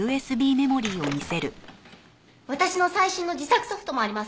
私の最新の自作ソフトもあります！